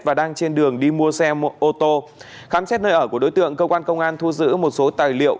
và đang trên đường đi mua xe ô tô khám xét nơi ở của đối tượng cơ quan công an thu giữ một số tài liệu